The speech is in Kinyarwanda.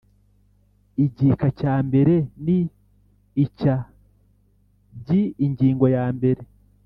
Igika cya mbere n icya byi ingingo yambere